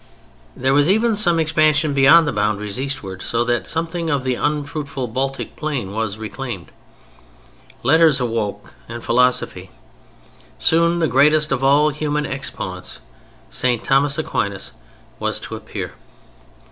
There was even some expansion beyond the boundaries eastward, so that something of the unfruitful Baltic Plain was reclaimed. Letters awoke and Philosophy. Soon the greatest of all human exponents, St. Thomas Aquinas, was to appear.